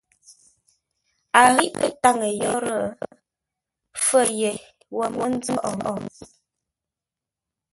A ghîʼ pə́ táŋə yórə́ fə̌r yé wo mə́ nzóghʼə ngə̂p.